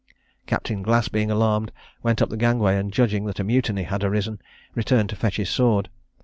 Captain Glass, being alarmed, went up the gangway, and judging that a mutiny had arisen, returned to fetch his sword.